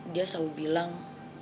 dia selalu bilang